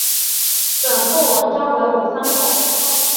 本部纹章为五三桐。